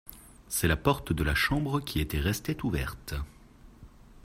C’est la porte de la chambre qui était restée ouverte.